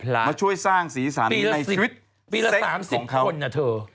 มาช่วยสร้างศีรษะนี้ในชีวิตเซ็กของเขาคุณพระปีละ๓๐ปีละ๓๐คนอ่ะเธอ